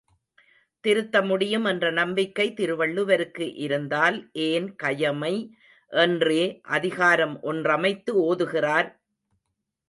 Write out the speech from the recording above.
திருத்தமுடியும் என்ற நம்பிக்கை திருவள்ளுவருக்கு இருந்தால் ஏன் கயமை என்றே அதிகாரம் ஒன்றமைத்து ஓதுகிறார்?